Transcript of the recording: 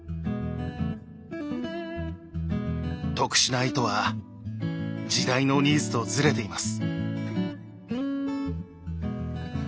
特殊な糸は時代のニーズとずれています。